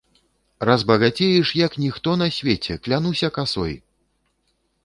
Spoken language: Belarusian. Разбагацееш, як ніхто на свеце, клянуся касой!